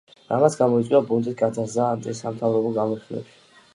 რამაც გამოიწვია ბუნტის გადაზრდა ანტისამთავრობო გამოსვლებში.